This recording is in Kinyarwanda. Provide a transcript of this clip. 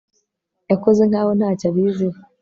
Yakoze nkaho ntacyo abiziho